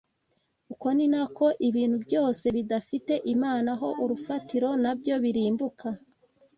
Uko ni nako ibintu byose bidafite Imana ho urufatiro na byo birimbuka.